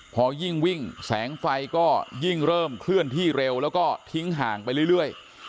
พอยิ่งวิ่งแสงไฟก็ยิ่งเริ่มเคลื่อนที่เร็วแล้วก็ทิ้งห่างไปเรื่อย